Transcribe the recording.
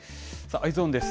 Ｅｙｅｓｏｎです。